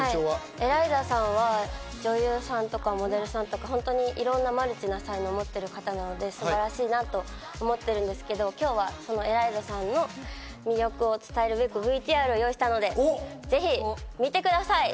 ＥＬＡＩＺＡさんは女優さんとか、モデルさんとか、マルチな才能を持っている方なので素晴らしいなと思ってるんですけど、今日はそのＥＬＡＩＺＡさんの魅力を伝えるべくＶＴＲを用意したのでぜひ見てください。